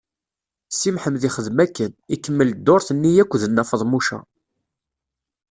Si Mḥemmed ixdem akken, ikemmel dduṛt-nni akk d Nna Feḍmuca.